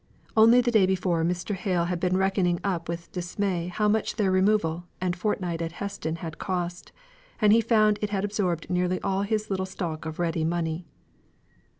Only the day before, Mr. Hale had been reckoning up with dismay how much their removal and fortnight at Heston had cost, and he found it had absorbed nearly all his little stock of ready money.